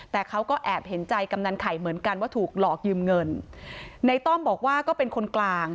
แต่เขาก็แอบเห็นใจกำนันไข่เหมือนกันว่าถูกหลอกยืมเงินในต้อมบอกว่าก็เป็นคนกลาง